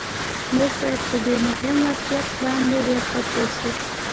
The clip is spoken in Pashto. موږ باید په دې مهم واقعیت باندې ډېر ښه پوه شو